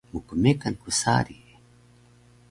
Mkmekan ku sari